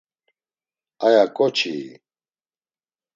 Aya ǩoçii?